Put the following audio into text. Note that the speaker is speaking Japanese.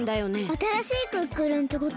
あたらしいクックルンってこと？